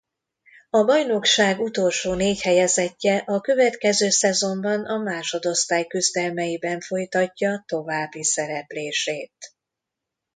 A bajnokság utolsó négy helyezettje a következő szezonban a másodosztály küzdelmeiben folytatja további szereplését.